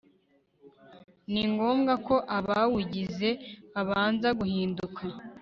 ni ngombwa ko abawugize babanza guhinduka